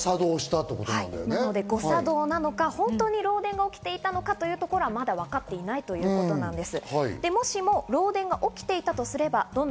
誤作動なのか、本当に漏電が起きていたのかというところが分かっていないということです。